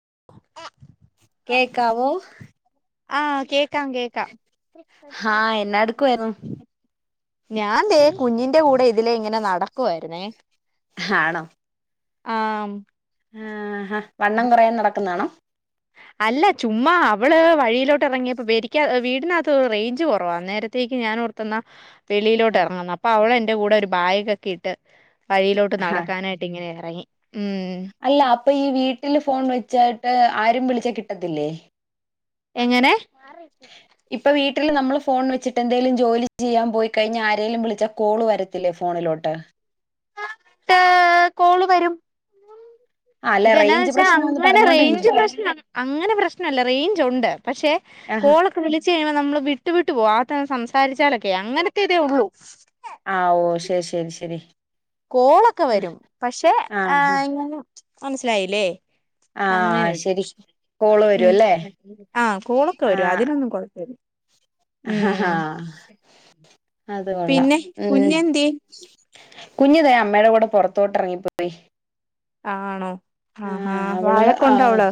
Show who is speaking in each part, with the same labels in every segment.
Speaker 1: [unintelligible]
Speaker 2: കേക്കാവോ
Speaker 1: ആഹ് കേ ക്കാം കേക്കാം
Speaker 2: ആഹ് എന്നാ എടുക്കുവായിരുന്നു
Speaker 1: ഞാൻ ദേ കുഞ്ഞിന്റെ കൂടെ ഇതിലേ ഇങ്ങനെ നട കുവായിരുനെ
Speaker 2: ആണോ
Speaker 1: ആമ്
Speaker 2: ആ ഹാ വണ്ണം കുറയാൻ നടക്കുന്നാണോ
Speaker 1: അല്ല ചുമ്മാ അവള് വഴി ലോട്ട് ഇറങ്ങിയപേരിക വീടിനകത്ത് റേഞ്ച് കുറവാ അനേരത്തേക്ക് ഞാൻഓർത്തന്ന- വെളിലോട്ട്
Speaker 2: ആഹ്
Speaker 1: എറങ്ങന്ന് അപ്പൊ അവളൻ്റ ന്റെ കൂടെ ഒരു ബായിഗ് ക്കെ ഇട്ട്- വഴിയിലോട്ട്
Speaker 2: ഹാ
Speaker 1: നടക്കാനായിട്ട് ഇങ്ങനെയെ എറങ്ങി
Speaker 2: അല്ല അപ്പം ഈ വീട്ടില് ഫോൺ വെച്ചായിട്ട് ആരും വിളിച്ചാ കിട്ടത്തില്ലേ
Speaker 1: എങ്ങനെ
Speaker 2: ഇപ്പൊ വീട് ട്ടിൽ നമ്മള് ഫോൺ വെച്ചിട്ട് എന്തെങ്കലും ജോലി ചെയ്യാൻ പോയി കഴിഞ്ഞാൽ ആരേലും വിളിച്ചാൽ കോള് വരത്തില്ലേ ഫോണിലോട്ട്
Speaker 1: ഏ കോള് വരും
Speaker 2: അല്ല
Speaker 1: ഇതെന്നാന്ന്
Speaker 2: റേഞ്ച്
Speaker 1: വെച്ചാൽ
Speaker 2: പ്രശ്നാന്ന്
Speaker 1: അങ്ങനെ
Speaker 2: പറഞ്ഞോണ്ടാ ഞാൻ
Speaker 1: റേഞ്ച് പ്രശ്നം അങ്ങനെ പ്രശ്നമല്ല റേഞ്ച് ഉണ്ട് പക്ഷേ
Speaker 2: ചോദിച്ചേ ആഹാ
Speaker 1: കോളൊക്കെ വിളിച്ച് കഴിയുമ്പോൾ നമ്മൾ വിട്ടു വിട്ട് വിട്ട് പോവാത്തന്ന് സംസാരിച്ചാലൊക്കെ അങ്ങനത്തെ ഇതേ ഉള്ളൂ
Speaker 2: ആ ഓ ശരി ശരി ശരി
Speaker 1: കോളൊക്കെ വരും പക്ഷെ ആ
Speaker 2: ആഹ്
Speaker 1: ഇങ്ങനെ മനസ്സിലായില്ലേ അങ്ങനെ
Speaker 2: ആഹ്
Speaker 1: വരും
Speaker 2: ശരി കോള് വരും
Speaker 1: ഉം
Speaker 2: അല്ലേ
Speaker 1: ആഹ് കോളൊക്കെ വരും അതിനൊന്നും കൊഴപ്പമില്ല
Speaker 2: അതുകൊള്ളാം
Speaker 1: പിന്നെ
Speaker 2: ഉം
Speaker 1: കുഞ്ഞെന്തിയെ
Speaker 2: കുഞ്ഞ്തേ അമ്മേടെ കൂടെ പൊറത്തോട്ട് എറങ്ങിപ്പോയി
Speaker 1: ആ ആണോ ആഹ് ഹാ വാഴക്കൊ ഒണ്ടോഅവള്?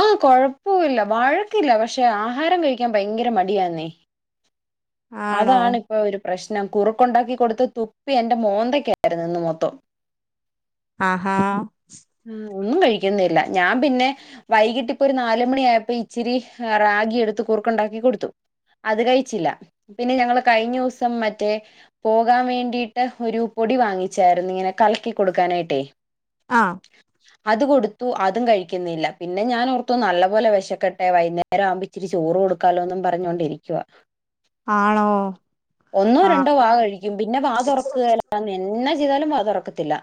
Speaker 2: ആ കൊഴപ്പവില്ല വഴക്കില്ല പക്ഷെ ആഹാരം കഴിക്കാൻ ഭയങ്കര മടിയാന്നേ
Speaker 1: ആണോ
Speaker 2: അതാണ് ഇപ്പൊ ഒരു പ്രശ്നം കുറുക്കുണ്ടാക്കി കൊടുത്ത് തുപ്പി എൻ്റെ മോന്തക്കായിരുന്നു ഇന്ന് മൊത്തം
Speaker 1: ആഹാ
Speaker 2: ആഹ് ഒന്നും കഴിക്കുന്നില്ല ഞാൻ പിന്നെ വൈകിട്ട് ഇപ്പൊ ഒരു നാല് മണി ആയപ്പോ ഇച്ചിരി റാഗി എടുത്ത് കുറുക്കുണ്ടാക്കി കൊടുത്തു അത് കഴിച്ചില്ല പിന്നെ ഞങ്ങള് കഴിഞ്ഞ ദിവസം മറ്റേ പോകാൻ വേണ്ടിട്ട് ഒരു പൊടി വാങ്ങിച്ചാരുന്നു ഇങ്ങനെ കലക്കി കൊടുക്കാനായിട്ടേ
Speaker 1: ആഹ്
Speaker 2: അത് കൊടുത്തു അതും കഴിക്കുന്നില്ല പിന്നെ ഞാനോർത്തു നല്ല പോലെ വെശക്കെട്ടെ വൈകുന്നേരം ആവുമ്പം ഇച്ചിരി ചോറ് കൊടുക്കാലോന്നും പറഞ്ഞോണ്ടിരിക്കുവാ
Speaker 1: ആണോ
Speaker 2: ഒന്നോ രണ്ടോ
Speaker 1: ആഹ്
Speaker 2: വാ കഴിക്കും പിന്നെ വാ തുറക്കുകേലാന്നേ എന്നാ ചെയ് എന്ത് ചെയ്താലും വാ തൊറക്കത്തില്ല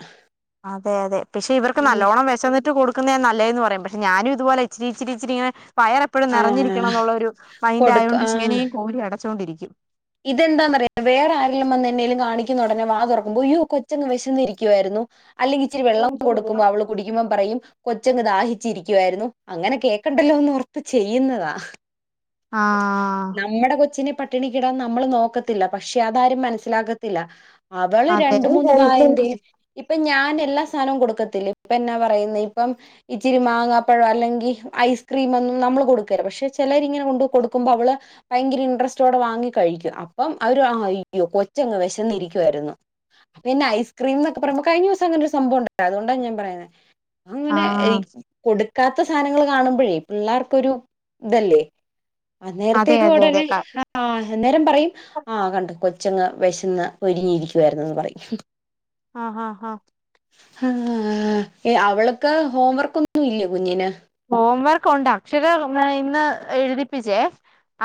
Speaker 1: അതെ അതെ പക്ഷെ ഇവർക്ക് നല്ലോണം വെശന്നിട്ട് കൊടുക്കുന്നയാ നല്ലേന്ന് പറയും പക് ഞാനും ഇത്പോലെ ഇച്ചരി ഇച്ചിരി ഇച്ചിരി ഇങ്ങനെ വയർ എപ്പോഴും
Speaker 2: ആഹ്
Speaker 1: നെറഞ്ഞിരിക്കണം എന്നുള്ളൊരു മൈൻഡ് ആയോണ്ട് ഇച്ചിനിയും കോരി അടച്ചോണ്ടിരിക്കും [unintelligible]
Speaker 2: ഇതെന്താന്ന് അറിയോ വേറെ ആരെലും വന്ന് എന്നേലും കാണിക്കുന്ന ഒടനേ വാ തുറക്കുമ്പോ യോ കൊച്ചങ്ങ് വിശന്നിരിക്കുവായിരുന്നു അല്ലെങ്കി ഇച്ചിരി വെള്ളം കൊടുക്കുമ്പോ അവള് കുടിക്കുമ്പം പറയും കൊച്ചങ്ങ് ദാഹിച്ചിരിക്കുവായിരുന്നു അങ്ങനെ കേക്കണ്ടല്ലോ എന്ന് ഓർത്തു ചെയ്യുന്നതാ
Speaker 1: ആഹ്
Speaker 2: നമ്മടെ കൊച്ചിനെ പട്ടിണിക്കിടാൻ നമ്മള് നോക്കത്തില്ല പക്ഷെ അതാരും മനസ്സിലാത്തില്ല അവള്
Speaker 1: അതെ
Speaker 2: രണ്ടു മൂന്ന് ഭം എന്തേും ഇപ്പം ഞാൻ എല്ലാ സാധനവും കൊടുക്കത്തില്ല ഇപ്പം എന്നാ പറയുന്നത് ഇപ്പം ഇച്ചിരി മാങ്ങാപ്പഴം അല്ലെങ്കിൽ ഐസ്ക്രീമൊന്നും നമ്മൾ കൊടുക്കല്ല പക്ഷെ ചിലരിങ്ങനെ കൊണ്ട് കൊടുക്കുമ്പോ അവള് ഭയങ്കര ഇൻട്രസ്റ്റോടെ വാങ്ങി കഴിക്കും അപ്പം അവര് കൊച്ചങ്ങ് വിശന്ന് ഇരിക്കുവായിരുന്നു അപ്പന്നെ ഐസ്ക്രീം എന്നൊക്കെ പറയുമ്പോ കഴിഞ്ഞ ദിവസം അങ്ങനൊ ഒരു സംഭവം ഉണ്ടായി അതുകൊണ്ടാണ് ഞാൻ പറയുന്നത് അങ്ങനെ
Speaker 1: ആഹ്
Speaker 2: കൊടുക്കാൻ ക്കാത്ത സാധനങ്ങൾ കാണുമ്പോഴേ പിള്ളേർക്കൊരു ഇതല്ലേ അ
Speaker 1: അതെ
Speaker 2: നേരത്തേക്ക്
Speaker 1: അതെ അതെ
Speaker 2: ഉടനെ ആ നേരം പറയും ആ കണ്ടു കൊച്ചങ്ങ് വിശന്ന് പൊരിഞ്ഞു ഇരിക്കുകയായിരുന്നെന്ന് പറയും
Speaker 1: ആ ആ ഹ
Speaker 2: ആ അവൾക്ക് ഹോംവർക്ക് ഒന്നും ഇല്ല കുഞ്ഞിന്
Speaker 1: ഹോം വർക്ക് ഉണ്ട് അക്ഷര ഇന്ന് എഴുതിപ്പിച്ചേ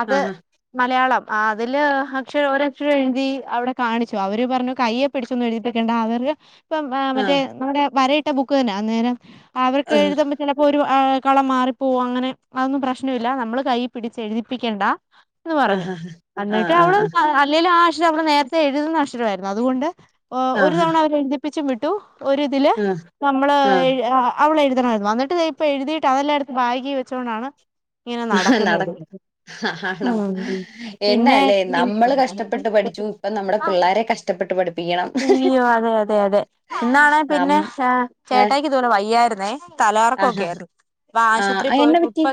Speaker 1: അത്
Speaker 2: ആഹ്
Speaker 1: മലയാളം ആ അതില് അക്ഷര ഒരക്ഷരം എഴുതി അവിടെ കാണിച്ചു അവര് പറഞ്ഞു കൈയെ പിടിച്ചെന്ന് എഴുതിട്ടക്കണ്ട അവര് ഇപ്പം മറ്റേ
Speaker 2: ആഹ്
Speaker 1: നമ്മുടെ വര ഇട്ട ട്ട ബുക്ക് തന്നെയ അന്നേരം അവർക്ക് എഴുമ്പോ ചിലപ്പോ കളം മാറിപ്പോകും അങ്ങനെ അതൊന്നും പ്രശ്ന ഇല്ല നമ്മള് കൈ പിടിച്ച് എഴുതിപ്പിക്കേണ്ട എന്ന് പറഞ്ഞു
Speaker 2: ആഹ് ആഹ്
Speaker 1: എന്നിട്ട് അവള
Speaker 2: ആഹ്
Speaker 1: അല്ലേലും ആ അക്ഷരം ക്ഷേ അവൾ നേരത്തെ എഴുതുന്ന അക്ഷരായിരുന്നു അതുകൊണ്ട് ഒരു
Speaker 2: ആഹ്
Speaker 1: തവണ അവരെ എഴുതി പ്പിച്ചമിട്ടു [unintelligible] ഒരു ഇതിലെ
Speaker 2: ആഹ് ആഹ്
Speaker 1: നമ്മള്
Speaker 2: ആഹ്
Speaker 1: അവളെ എഴതണായിരുന്നു അന്നിട്ട്‌ ഇപ്പൊ എഴുതിയിട്ട് അതെല്ലാം എടുത്തുകൊണ്ട് ബാഗി വെച്ച് കൊണ്ടാണ് ഇങ്ങനെ
Speaker 2: നട
Speaker 1: നടക്കുന്നത്
Speaker 2: ആണോ
Speaker 1: പിന്നെ
Speaker 2: എന്നാല്ലേ നമ്മള് കഷ്ടപ്പെട്ട് പഠിച്ചു ഇപ്പൊ നമ്മുടെ പിള്ളേരെ കഷ്ടപ്പെട്ട് പഠിപ്പിക്കണം
Speaker 1: തോ അതെ അതെ അതെ ഇന്നാണ്
Speaker 2: നം
Speaker 1: പിന്നെ
Speaker 2: ഏഹ്
Speaker 1: ചേട്ടായക്ക് ഇത്പോലെ വയ്യായിരുന്നു അ തല [unintelligible]
Speaker 2: ആഹ്
Speaker 1: ഓക്കേ ഇപ്പ ആശുപത്രി
Speaker 2: ആഹ് എന്നാ പറ്റി
Speaker 1: പോയിപ്പ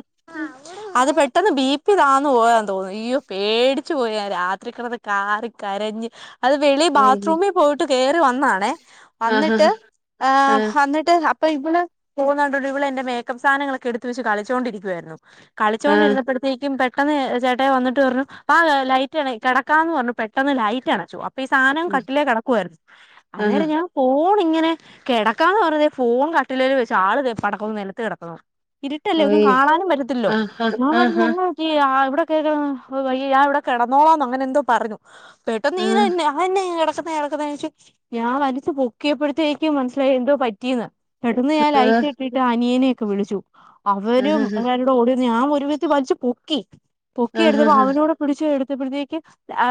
Speaker 1: അത് പെട്ടി പെട്ടെന്ന് ബി പി തന്നു പോയാന്ന് തോന്നുന്ന യ്യോ പേടിച്ചു പോയ രാത്രി കിടന്ന് കാറി കരഞ്ഞ് അത് വെളി
Speaker 2: ആഹ്
Speaker 1: ബാത്റൂമിൽ പോയിട്ട് കയറി വന്നണേ
Speaker 2: ആഹ്
Speaker 1: വന്നിട്ട്
Speaker 2: ആഹ്
Speaker 1: അന്നിട്ട്‌ പ്പൈ ഇബണ പോ ന [unintelligible] ഇവൾ എന്റെ മേക്കപ്പ് സാധങ്ങളൊക്കെ എടുത്തുവെച്ച് കളിച്ചു കൊണ്ടിരിക്കുകയായിരുന്നു
Speaker 2: ആഹ്
Speaker 1: കളിചോണ്ടിരുന്നപ്പോഴത്തേക്കും പേ പെട്ടെന്ന് ചേട്ടയി വന്നിട്ട് പറഞ്ഞു ആ ലൈറ്റ് ആണയി കിടക്കാന്ന് പറഞ്ഞു പെട്ടെന്ന് ലൈറ്റ് ആണച്ചു ഈ സാധനം കട്ടിലേ കിടക്കുയിരുന്നു
Speaker 2: ആഹ്
Speaker 1: അന്നേരം ഞാൻ ഇങ്ങനെ കിടക്കാന്ന് പറഞ്ഞ ഫോൺ കട്ടിലൽ വെച്ച ആൾ തെ പോണു കിടക്കുമ്പോൾ നിലത്തു കിടക്കണം ഇരിട്ടല്ലേ ഒന്നും
Speaker 2: ഓയ്
Speaker 1: കാണാനും പറ്റത്തില്ലോ
Speaker 2: ആഹ് ആഹ്
Speaker 1: എന്ന പറ്റി
Speaker 2: ആഹ്
Speaker 1: പിന്നെ കേക്കാണത് വയ്യ ഞാൻ ഇവിടെ കിടന്നോളാന്ന് അങ്ങനെ എന്തോ പറഞ്ഞു പെട്ടെന്ന് നീ തന്നെ കെടക്കുന്ന ഞാൻ വലുച്ചു പൊക്കിയപ്പോഴത്തേക്കും മനസ്സിലായി എന്തോ പറ്റിയന്ന് പെട്ടെന്ന് ഞാൻ
Speaker 2: ആഹ്
Speaker 1: ലൈറ്റ് ഇട്ടു അനിയനെയൊക്കെ വിളിച്ചു അവനും
Speaker 2: ആഹ്
Speaker 1: വേഗം ഓടി വന്നു ഞാൻ ഒരു വിധത്തിൽ വലിച്ചു പൊക്കി
Speaker 2: ആഹ്
Speaker 1: പൊക്കിഎടുത്തപ്പോ
Speaker 2: ആഹ്
Speaker 1: അവനൂടെ പിടിചച്ച് എടുത്തു എടുത്തപ്പോഴേക്കും ആ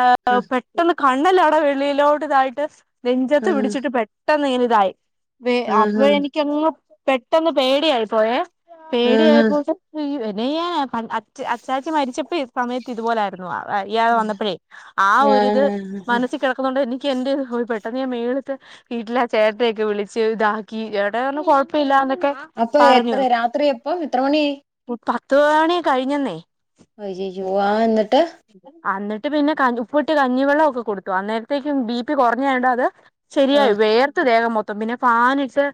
Speaker 1: പെട്ടെന്ന് കണ്ണല്ല വെളിയിലോട്ട് ഇതായിട്ട് നെഞ്ചത്ത് പിടിച്ചിട്ട് പെട്ടെന്നു പെട്ടെന്ന് ഇങ്ങനെയായി വേഗം അപ്പൊ എനിക്കങ്ങ് പെട്ടന്ന് പേടിയായിപ്പോയെ പേടിയായപ്പോൾ തന്നെ നീയാ അച്ച് അച്ചാച്ചി മരിച്ചപ്പോ സമയത്ത് ഇപോലൊയായിരുന്നു വയ്യാതെ വന്നപ്പോഴേ ആ ഒരിത് മനസ്സിൽ കിടക്കുന്നുണ്ട് എനിക്ക് എനിക്ക് എന്റെ ഹോ പെട്ടെന്ന് ഞാൻ മേലിൽലത്തെ വീട്ടിലെ ആ ചേട്ടനെയൊക്കെ വിളിച്ച് ഇതാക്കി ഇവിടെ പറഞ്ഞ കൊഴപ്പം ഇല്ലന്ന് കൊഴ്പ്പമില്ലെന്നൊക്കെ
Speaker 2: അപ്പൊ എത്ര രാത്രി എപ്പോ എത്ര മണിയായി
Speaker 1: പത്ത് മണി കഴിഞ്ഞു
Speaker 2: അയ്യോയ്യോ എന്നിട്ട്
Speaker 1: അന്നിട്ട് പിന്നെ ഉപ്പിട്ട് കഞ്ഞിവെള്ളമൊക്കെ ഒക്കെ കൊടുത്തു അന്നേരത്തെക്കും ബി പി കുറഞ്ഞോണ്ട് അത്‌
Speaker 2: ആ
Speaker 1: ശരിയായി വേയർത്തു ദേഹം മൊത്തം അപ്പൊ പിന്നെ ഫാൻ ഇട്ട്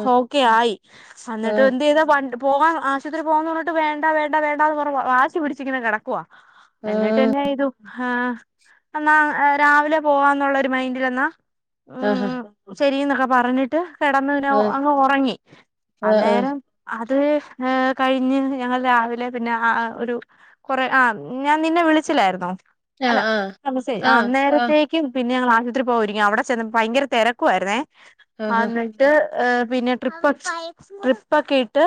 Speaker 2: ആ
Speaker 1: ഓക്കെ ആയി
Speaker 2: ആ
Speaker 1: സന്നിട്ട് എന്ത് ചെയ്താ വ പോവാൻ ആശുപത്രി പോകാന്ന് പറഞ്ഞിട്ട് വേണ്ട വേണ്ട വേണ്ടാന്ന് കുറെ വാശി പിടിച്ചിങ്ങനെ കിടക്കുവാ
Speaker 2: ആ
Speaker 1: എന്നിട്ടെന്ന ചെയ്തു ആ എന്നാ രാവിലെ പോവാന്നുള്ള ഒരു മൈൻഡിലെന്നാ
Speaker 2: ആഹാ
Speaker 1: ഉം ശരീന്നാ വറന്നിട്ട്. കിടന്നുനോ.
Speaker 2: ആ
Speaker 1: അങ്ങ് ഉറങ്ങി
Speaker 2: ആ
Speaker 1: അന്നേരം അ അത് കഴിഞ്ഞ് ഞങ്ങൾ രാവിലെ പിന്നെ അ ആ ഒരു കുറെ ആ ഞാൻ നിന്നെ വിളിച്ചില്ലായിരുന്നോ അല്ല
Speaker 2: ആ
Speaker 1: [unintelligible]
Speaker 2: ആ ആ ആ ആ
Speaker 1: അന്നേരത്തേക്കുപിന്നെ ഞങ്ങ പത്രി പൊവാ ഒരുങ്ങി അവിടെ ചെന്ന ഭയങ്കര തെരക്കുവായിരുന്നേ അ
Speaker 2: ആഹാ
Speaker 1: എന്നിട്ട് പിന്നെ ട്രിപ്പ്‌ ട്രിപ്പൊക്കെയിട്ട്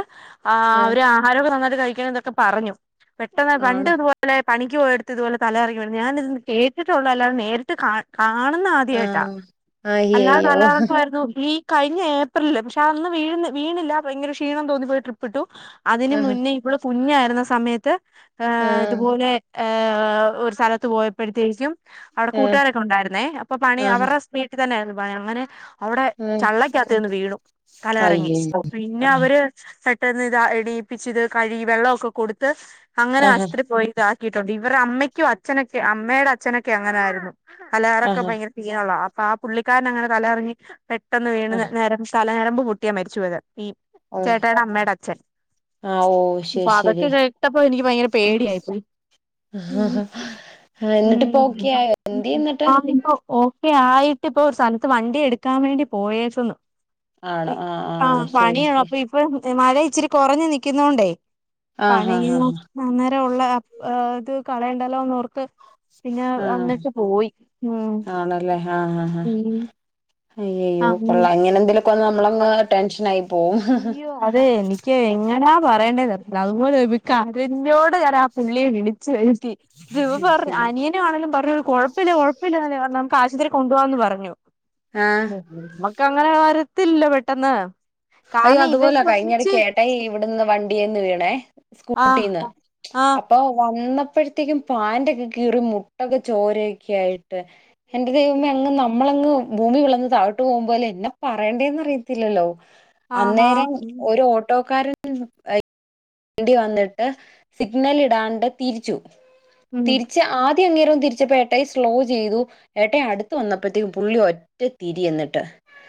Speaker 1: ആ അവര് ആഹാരൊക്കെ നന്നാ ഇത് കഴിക്കണന്നൊക്കെ പറഞ്ഞു. പെട്ടെന്ന്
Speaker 2: ആണോ
Speaker 1: പണ്ടിതുപോലെ പണിക്കുപോയിടത്തിതുപോലെ തലകറങ്ങി വീണു ഞാനിതു കേട്ടിട്ട് ഉള്ളു അല്ലാതെ നേരിട്ട് കാ കാണുന്ന
Speaker 2: ആ
Speaker 1: ആദ്യായിട്ടാ അല്ലാതെ
Speaker 2: അയ്യയ്യോ
Speaker 1: തലകറക്കം ആയിരുന്നു ഇ കഴിഞ്ഞ ഏപ് പ്രില് ക്ഷേ അന്ന് വീണ് വീണില്ല ഭയങ്കരക്ഷീണം തോന്നി പോയി ട്രിപ്പിട്ടു. അതിന്
Speaker 2: ആഹാ
Speaker 1: മുന്നേ ഇവള് കുഞ്ഞായി ന്ന സമയത്ത് ആ ഇതുപോലെ ആ ഒരു സ്ഥലത്തുപോയപ്പഴത്തേക്കും അവിടെ
Speaker 2: ആ
Speaker 1: കൂട്ടുകാരൊക്കെ ഉണ്ടായിരുന്നെ അപ്പൊ പണി
Speaker 2: ആഹാ
Speaker 1: അവർടെ സ് വീട്ടിത്തന്നായിരുന്നു. പായി അങ്ങനെ. അവിടെ
Speaker 2: ഉം
Speaker 1: ചള്ളക്ക വീണു തലകറങ്ങി
Speaker 2: അയ്യയ്യോ
Speaker 1: പിന്നെ
Speaker 2: ആഹാ
Speaker 1: അവര് പെട്ടെന്നിതു ഇടിപ്പിച്ചു ഇത് കഴുകി വെള്ളവൊക്കെ കൊടുത്ത് അങ്ങനെ
Speaker 2: ആഹാ
Speaker 1: ആശുപത്രി പോയിട്ട് [unintelligible] ഇവർടെ അമ്മയ്ക്കും അച്ഛനൊക്കെ അമ്മേടെ അച്ഛനൊക്കെ അങ്ങനാരുന്നു അലറോക്കെ
Speaker 2: ആഹാ
Speaker 1: ഭയങ്കരതീനള്ളവാ ആ പുള്ളിക്കാരണങ്ങനെ തലകറങ്ങി പെട്ടന്ന്
Speaker 2: ആ
Speaker 1: വീണുന്ന തല ഞരമ്പ് പൊട്ടിയ മരിച്ചുപോയത്
Speaker 2: ഓ
Speaker 1: ചേട്ടയുടെ അമ്മയുടെ അച്ഛൻ
Speaker 2: ആ ഓ ശരി
Speaker 1: അപ്പൊ അതൊക്കെ
Speaker 2: ശരി
Speaker 1: കേട്ടപ്പോ എനിക്ക് ഭയങ്കര പേടിയായിപ്പോയി
Speaker 2: എന്നിട്ടിപ്പോ ഓക്കെ ആയോ എന്തിയെ എന്നിട്ട്
Speaker 1: ഓ ആയിട്ട ഇപ്പോ ഒരു സ്ഥലത്ത് വണ്ടി എടുക്കാൻ വേണ്ടി പോയേക്കുന്നു
Speaker 2: ആണോ ആ ആ
Speaker 1: ആഹ്
Speaker 2: ശരി ശരി
Speaker 1: പണിയുള്ളപ്പൊ ഇപ്പൊ മഴ ഇച്ചിരി കുറഞ്ഞു നിക്കുന്നോണ്ടേ
Speaker 2: ആഹ് ആഹ് ആഹ്
Speaker 1: [unintelligible] ള്ള ഇത് കളയണ്ടല്ലോന്നർത്ത് പിന്നെ
Speaker 2: ആഹ്
Speaker 1: അങ്ങട്ട് പോയി ഉം
Speaker 2: ആണല്ലേ ആഹ് ആഹ്
Speaker 1: ഉം
Speaker 2: അയ്യയ്യോ കൊള്ളാം
Speaker 1: അങ്ങനെ
Speaker 2: ഇങ്ങനെ എന്തേലൊക്കെന്ന് നമ്മളങ് ടെൻഷനാ യി
Speaker 1: തിയ്യോ അതെ എനിക്ക് എങ്ങനാ പറയേണ്ടേ തറില്ല അതുപോലെ ഒരുക്ക കരഞ്ഞോണ്ട് ഞാൻ ആ പുള്ളിയെ വിളിച്ച് ഇ പറഞ്ഞ അനിയനെ ആണെലും പറഞ്ഞു കുഴപ്പില്ല കുഴപ്പില്ലന്നല്ലേ പറഞ്ഞത് നമുക്ക് ആശുപത്രി കൊണ്ടു പോവാന്നന്ന് പറഞ്ഞു
Speaker 2: ആഹ്
Speaker 1: ഞ്ഞു ഉം മക്ക അങ്ങനെ വരു ത്തില്ല പെട്ടെന്ന്
Speaker 2: അയ്യോ
Speaker 1: കാരണം
Speaker 2: അതുപോലെ
Speaker 1: ഇവര് ഒരുമിച്ച്
Speaker 2: കഴിഞ്ഞടക്ക് എട്ടായി ഇവിടുന്ന് വണ്ടിന്ന് വീണേ സ്കൂട്ടീന്ന്
Speaker 1: ആഹ് ആഹ്
Speaker 2: അപ്പൊ വന്ന അപ്പോഴത്തേക്കും പാന്റൊക്കെ കീറി മുട്ടൊക്കെ ചോരയൊക്കെ ആയിട്ട് എന്റെ ദൈവമേ അങ്ങ് നമ്മളങ്ങ് ഭൂമി പിളർന്ന് താഴോട്ട് പോകും പോലെ എന്നാ പറയേണ്ടെന്ന് അറിയത്തില്ലല്ലോ
Speaker 1: ആഹാ
Speaker 2: അന്നേരം ഒരു ഓട്ടോക്കാരൻ വണ്ടി വന്നിട്ട് സിഗ്നല് ഇടാണ്ട് തിരിച്ചു
Speaker 1: ഉം
Speaker 2: തിരിച്ച് ആ ത്തി അങ്ങേരം തിരിച്ചപ്പോ ഏട്ടായി സ്ലോ ചെയ്തു ഏട്ടയ് അടുത്ത് വന്നപ്പോഴത്തേക്കും പുള്ളി ഒറ്റ തിരി എന്നിട്ട്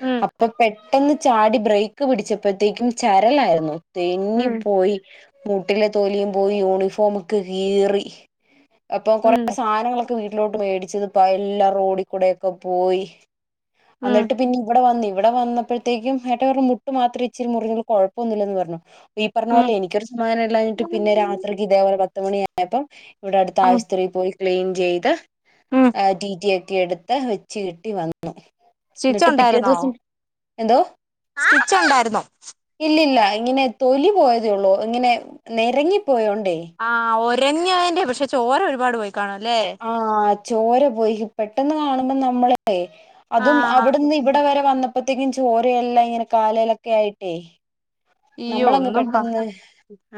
Speaker 1: ഉം
Speaker 2: അപ്പൊ പെ എന്ന് ചാടി ബ്രേക്ക് ക്ക് പിടിച്ചപ്പോഴത്തേക്കും ചരലായിരുന്നു. തെന്നി
Speaker 1: ഉം
Speaker 2: പോയി. മുട്ടിലെ തൊലിയും പോയി. യൂണിഫോമൊക്കെ കീറി. അപ്പൊ കൊറേ
Speaker 1: ഉം
Speaker 2: സാനങ്ങളൊ ഇപ്പ വീട്ടിലോട്ട് മേടിച്ചത്പ എല്ലാം റോഡി കൂടേക്കെ പോയി.
Speaker 1: ഉം
Speaker 2: അന്നിട്ട് പിന്നെ ഇവിടെ വന്ന ഇവിടെ വന്നപ്പോഴത്തേക്കും ഏട്ട പറഞ്ഞു മു ട്ട് മാത്രം ഇച്ചിരി മുറിവുള്ളു. കൊഴപ്പൊന്നില്ലെന്ന് പറഞ്ഞു. ഈ പർഞ്ഞ
Speaker 1: ഉം
Speaker 2: പോലെ എനിക്കൊരു സമാധാനം ഇല്ലാഞ്ഞിട്ട് പിന്നെ രാത്രിക്ക് ഇതേപോലെ പത്ത് മണി ആയപ്പം ഇവ്ടെ അടുത്ത്
Speaker 1: ഉം
Speaker 2: ആശ്ത്രി പോയി. ക്ലീൻ ചെയ്ത്
Speaker 1: ഉം
Speaker 2: റ്റി റ്റി എ റ്റിയെടുത്ത് വെച്ച്കെട്ടി വന്നു
Speaker 1: സ്റ്റിച്ച്
Speaker 2: എന്നിട്ട് പിറ്റേ
Speaker 1: ഒണ്ടായിരുന്നോ
Speaker 2: ദിവസം എന്തോ
Speaker 1: സ്റ്റിച്ച് ഉണ്ടായിരുന്നോ
Speaker 2: ഇല്ല ഇങ്ങനെ തൊലി പോയതേ ഉള്ളൂ ഇങ്ങനെ നെരെങ്ങി പോയോണ്ടേ
Speaker 1: രഞ്ഞെന്റെ പക്ഷേ ചോര ഒരുപാട് പോയി കാണും അല്ലേ
Speaker 2: ആഹ് ചോര പോയി പെട്ടെന്ന് കാണും നമ്മളെ ഏ അതും അവിടുന്ന്
Speaker 1: ആഹ്
Speaker 2: ഇവിടെ വരെ വന്നപ്പോഴത്തേക്കും ചോര ചോര എല്ലാം ഇങ്ങനെ കാലെ യിലൊക്കെ ആയിട്ടേ
Speaker 1: ഇയ്യോ
Speaker 2: നമ്മളങ്ങ്
Speaker 1: ഒന്നും പറ
Speaker 2: പെട്ടെന്ന്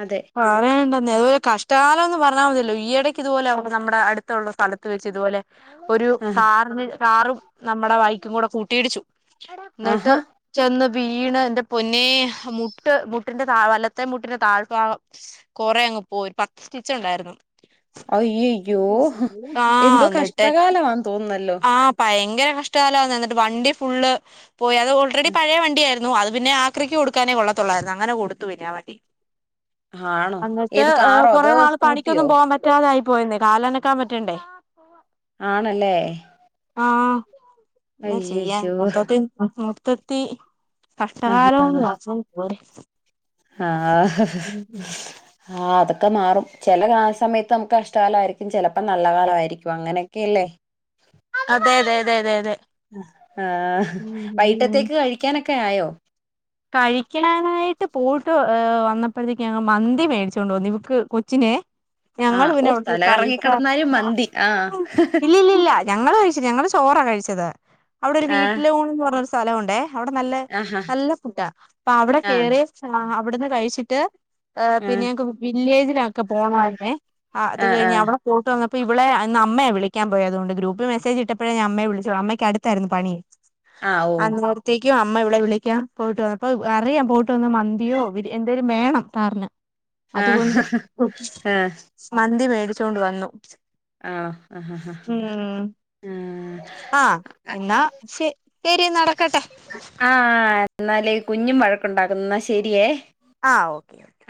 Speaker 2: അതെ
Speaker 1: പറയണ്ടെന്നെ അതുമല്ല കഷ്ട കഷ്ടകാലം എന്ന് പറഞ്ഞാൽ മതിയല്ലോ ഈയിടയ്ക്ക് ഇതുപോലെ നമ്മടെ അടുത്തൊള്ള സ്ഥലത്ത് വെച്ച് ഇതുപോലെ ഒരു
Speaker 2: ആ
Speaker 1: കാറിന് കാറും നമ്മടെ ബൈക്കും കൂടെ കൂട്ടിയിടിച്ചു എന്നിട്ട്
Speaker 2: ആഹാ
Speaker 1: ചെന്ന് വീണ് എന്റെ പൊന്നേ മുട്ടിന്റെ താ വലത്തെ മുട്ടിന്റെ താഴ്ഭാഗം കൊറേ അങ്ങ് പോയി പത്ത് സ്റ്റിച്ച് ഒണ്ടായിരുന്നു
Speaker 2: അയ്യയ്യോ എന്തോ കഷ്ടകാലമാന്ന് തോന്ന്ണ്
Speaker 1: ആ ഭയങ്കര ഭയങ്കര കഷ്ടകാലമാന്നെ എന്നിട്ട് വണ്ടി ഫുള്ള് പോയി അത് ഓൾറെഡി പഴയ വണ്ടി ആയിരുന്നു അത് പിന്നെ ആക്രിക്ക് കൊടുക്കാനേ കൊള്ളത്തൊ ള്ളായിരുന്നു അങ്ങനെ കൊടുത്തു പിന്നെ ആ വണ്ടി
Speaker 2: ആണോ
Speaker 1: അന്നിട്ട്
Speaker 2: ഏത് കാറോ
Speaker 1: കൊറെ
Speaker 2: അതോ
Speaker 1: നാൾ
Speaker 2: സ്കൂട്ടിയോ
Speaker 1: പണിക്കൊന്നും പോവാൻ പറ്റാതായി പോയിന്നേ കാലനക്കാൻ പറ്റാണ്ടേ
Speaker 2: ആണല്ലേ
Speaker 1: ആ എന്ന ചെയ്യ
Speaker 2: അയ്യയ്യോ
Speaker 1: മൊത്തത്തിൽ ബുദ്ധിമുട്ട് ഇപ്പൊത്തി കഷ്ടകാലമെന്ന് പറഞ്ഞാ പോരെ
Speaker 2: ആഹ് ഹ് ഹ് ആ അതൊക്കെ മാറും ചെല സമയത്ത് നമ്മുക്ക് കഷ്ടകാലമായിരിക്കും ചെലപ്പോ നല്ല കാലമായിരിക്കും അങ്ങനെയൊക്കെയല്ലേ
Speaker 1: അതെ അതെ അതെ അതെ അതെ
Speaker 2: ആ വൈകട്ടത്തേക്ക് കഴിക്കാനൊക്കെ ഒക്കെ ആയൊ
Speaker 1: കഴിക്കണാനായിട്ട് പോയിട്ട് വന്നപ്പോഴത്തേക്ക് ഞങ്ങൾ മന്തി മേടിച്ചോണ്ട് വന്നു ഇവക്ക് കൊച്ചിനെ ഞങ്ങളു
Speaker 2: ആഹ് ഓ
Speaker 1: പിന്നവിടുന്നെ
Speaker 2: തല കറങ്ങി
Speaker 1: കഴിച്ച
Speaker 2: കിടന്നാലും മന്തി ആഹ്
Speaker 1: [unintelligible] ഇല്ലില്ലില്ല ഞങ്ങള് കഴിച്ച് ഞങ്ങള് ചോറാ കഴിച്ചത് അവിടെ ഒരു
Speaker 2: ആഹ്
Speaker 1: വീട്ടിലെ ഊൺന്ന് പറഞ്ഞ സ് സ്ഥലമുണ്ടേ അവിടെ നല്ലേ
Speaker 2: ആഹാ
Speaker 1: നല്ല അപ്പ അവിടെ കേറിയെ ഞ ആ അവിടന്ന് കഴിച്ചിട്ട് ഏ പിന്നെ
Speaker 2: ആഹ്
Speaker 1: ഞങ്ങക്ക് വില്ലേജ് ക്കെ പോണമാരുന്നേ അത് കഴിഞ്ഞ്
Speaker 2: ആഹ്
Speaker 1: അവിടെ പോയിട്ട് വന്ന പ്പ ഇവളെ ഇന്നമ്മയാ വിളിക്കാൻ പോയെ അതൊണ്ട് ഗ്രൂപ്പി മെസ്സേജ് ഇട്ടപ്പോഴെ ഞാനമ്മയെ വിളിച്ചു പറഞ്ഞു അമ്മക്ക് അടുത്തായിരുന്നു പണി
Speaker 2: ആഹ് ആഹ് ആഹ് ഓ
Speaker 1: അങ്ങൊത്തി ക്കാ അമ്മ ഇവളെ വിളിക്കാൻ പോയിട്ട് വന്നപ്പൊ അറിയാം പോയിട്ട് വന്ന മന്തിയോ ബിരി എന്തേലും വേണം സാറിന്
Speaker 2: ആഹ്
Speaker 1: അതുകൊണ്ട്
Speaker 2: ആഹ്
Speaker 1: മന്തി മേ ടിച്ചൊണ്ട് വന്നു
Speaker 2: ആണോ ആഹ് ആഹ്
Speaker 1: ഉം ആ എന്നാ ശെ ശരി നടക്കട്ടെ
Speaker 2: എന്നാലെ കുഞ്ഞും വഴക്കുണ്ടാക്കുന്നു ന്നാശരിയേ
Speaker 1: ആ ഓക്കേ ഓക്കേ